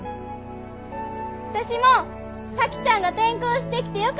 私も咲妃ちゃんが転校してきてよかった！